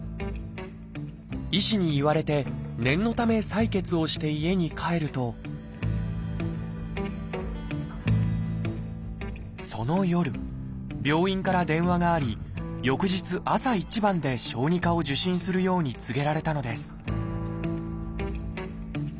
医師に言われて念のため採血をして家に帰るとその夜病院から電話があり翌日朝一番で小児科を受診するように告げられたのです